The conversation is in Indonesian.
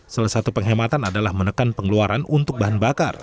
salah satu penghematan adalah menekan pengeluaran untuk bahan bakar